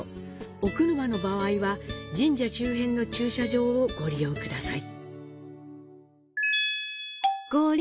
お車の場合は、神社周辺の駐車場をご利用ください。